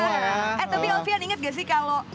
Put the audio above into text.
eh tapi ovian inget nggak sih kalau